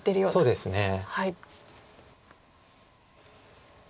そうですね。